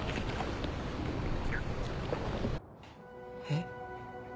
えっ？